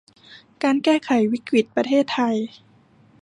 การแก้ไขวิกฤตประเทศไทย